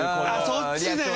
そっちね。